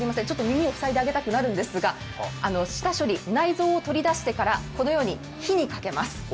耳を塞いであげたくなるんですが下処理、内臓を取り出してからこのように火にかけます。